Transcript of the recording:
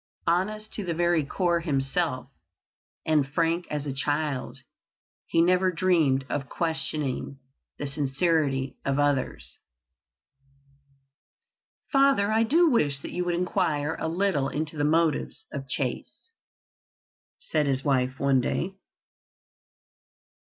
Honest to the very core himself, and frank as a child, he never dreamed of questioning the sincerity of others. "Father, I do wish that you would inquire a little into the motives of Chase," said his wife one day.